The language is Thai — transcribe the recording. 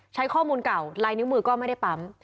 ใช้ข้อมูลเก่าลายนิ้วมือก็ไม่ได้ปั๊ม